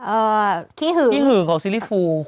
ขี้หึงขี้หึงของซีรีสฟู